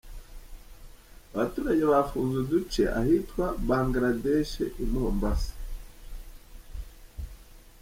Abaturage bafunze uduce ahitwa Bangladesh i Mombasa.